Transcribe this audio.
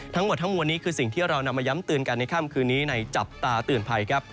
ทั้งหมดทั้งมวลนี้คือสิ่งที่เรานำมาย้ำเตือนกันในค่ำคืนนี้ในจับตาเตือนภัยครับ